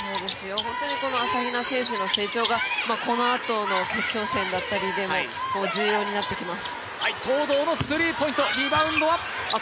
本当に朝比奈選手の成長がこのあとの決勝戦だったりでも重要になってきます。